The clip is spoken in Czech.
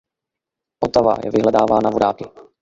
Otava je vyhledávaná vodáky.